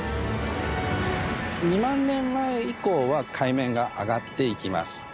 ２万年前以降は海面が上がっていきます。